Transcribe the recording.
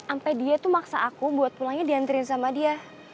sampai dia tuh maksa aku buat pulangnya diantri sama dia